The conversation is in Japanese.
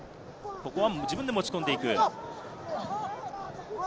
ここは自分で持ち込んでいく。